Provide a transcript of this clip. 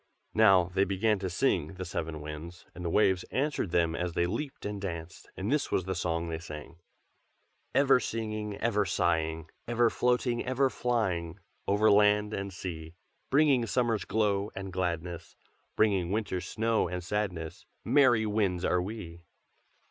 Now they began to sing, the seven Winds, and the waves answered them as they leaped and danced. And this is the song they sang: "Ever singing, ever sighing, Ever floating, ever flying Over land and sea. Bringing summer's glow and gladness, Bringing winter's snow and sadness, Merry winds are we!